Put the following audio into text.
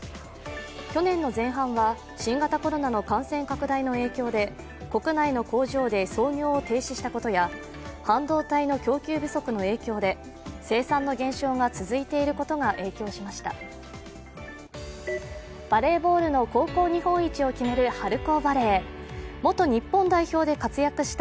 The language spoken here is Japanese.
去年の前半は新型コロナの感染拡大の影響で国内の工場で操業を停止したことや半導体の供給不足の影響で生産の減少が続いていることが影響しました。